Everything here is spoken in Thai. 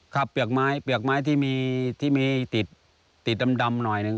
คับเปลือกไม้เปลือกไม้ที่มีติดดำหน่อยนึง